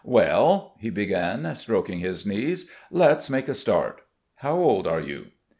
"Well?" he began, stroking his knees. "Let's make a start. How old are you?"